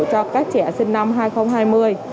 cho các trẻ sinh năm hai nghìn hai mươi